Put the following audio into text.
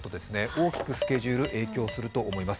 大きくスケジュール影響すると思います。